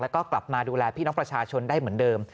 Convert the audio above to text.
แล้วก็กลับมาดูแลพี่น้องประชาชนได้เหมือนเดิม